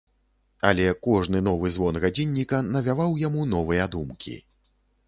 Але кожны новы звон гадзінніка навяваў яму новыя думкі.